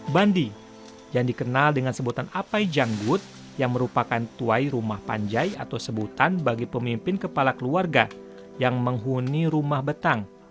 bandi yang dikenal dengan sebutan apai janggut yang merupakan tuai rumah panjai atau sebutan bagi pemimpin kepala keluarga yang menghuni rumah betang